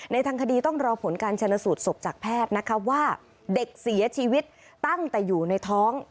ทางคดีต้องรอผลการชนสูตรศพจากแพทย์นะคะว่าเด็กเสียชีวิตตั้งแต่อยู่ในท้อง